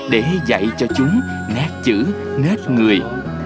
để dạy cho chúng nét chữ nét người